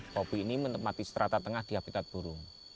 kopi ini menempati seterata tengah di habitat burung